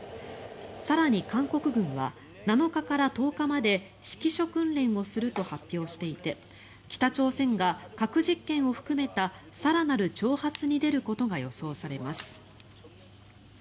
更に、韓国軍は７日から１０日まで指揮所訓練をすると発表していて北朝鮮が核実験を含めた更なる挑発に出ることが予想されます。